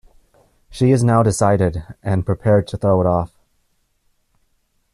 She is now decided, and prepared to throw it off.